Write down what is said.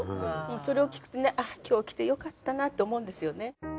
それを聞くとね、ああ、今日来てよかったなと思うんですよね。